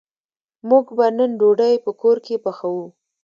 موږ به نن ډوډۍ په کور کی پخوو